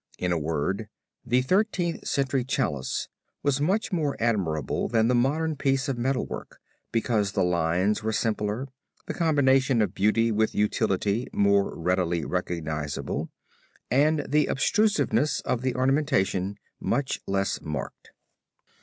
In a word the Thirteenth Century Chalice was much more admirable than the modern piece of metal work, because the lines were simpler, the combination of beauty with utility more readily recognizable and the obtrusiveness of the ornamentation much less marked.